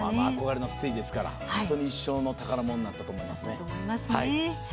憧れのステージですから本当に一生の宝物になったと思います。